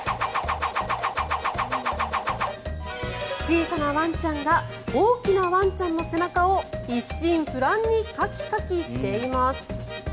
小さなワンちゃんが大きなワンちゃんの背中を一心不乱にカキカキしています。